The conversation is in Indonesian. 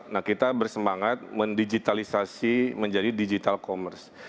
nah kita bersemangat mendigitalisasi menjadi digital commerce